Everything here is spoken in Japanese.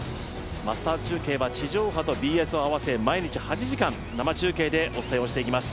マスターズ中継は地上波とＢＳを合わせ毎日８時間生中継でお伝えをしていきます。